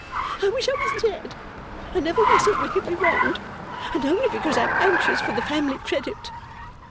I wish I was dead. I never was so wickedly wronged. And only because I am anxious for the family credit.